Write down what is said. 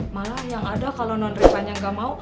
malah yang ada kalau non repanya gak mau